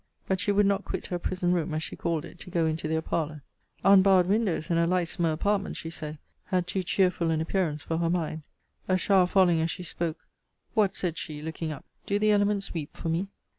But she would not quit her prison room, as she called it, to go into their parlour. 'Unbarred windows, and a lightsomer apartment,' she said, 'had too cheerful an appearance for her mind.' A shower falling, as she spoke, 'What,' said she, looking up, 'do the elements weep for me?'